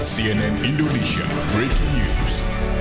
cnn indonesia breaking news